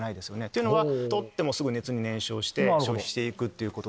というのは取ってもすぐ熱で燃焼して消費していくってこと。